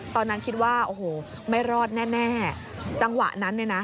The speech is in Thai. ตอนนั้นคิดว่าโอ้โหไม่รอดแน่แน่จังหวะนั้นเนี่ยนะ